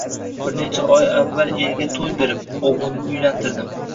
Bir necha oy avval elga to`y berib, o`g`limni uylantirdim